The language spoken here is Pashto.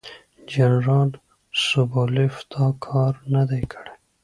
جنرال سوبولیف دا کار نه دی کړی.